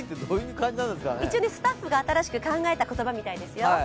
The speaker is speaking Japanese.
一応スタッフが新しく考えた言葉みたいですよ。